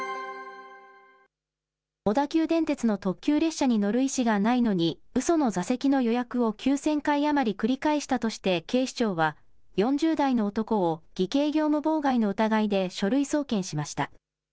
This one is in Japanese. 小田急電鉄の特急列車に乗る意思がないのに、うその座席の予約を９０００回余り繰り返したとして、警視庁は、４０代の男を偽計業務妨害の疑いで書類送検しました。